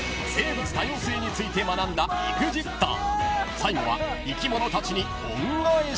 ［最後は生き物たちに恩返し？］